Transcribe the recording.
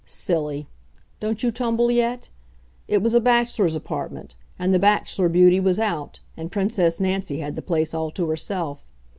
Silly! Don't you tumble yet? It was a bachelor's apartment, and the Bachelor Beauty was out, and Princess Nancy had the place all to herself.